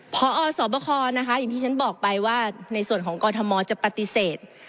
พอสบคนะคะอย่างที่ฉันบอกไปว่าในส่วนของกรทมจะปฏิเสธ